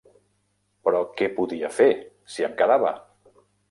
Però què podia fer si em quedava!